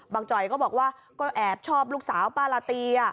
จ่อยก็บอกว่าก็แอบชอบลูกสาวป้าลาตี